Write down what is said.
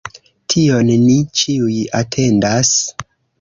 Tion ni ĉiuj atendas.